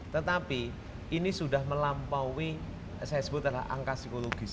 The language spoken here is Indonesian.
tetapi ini sudah melampaui angka psikologis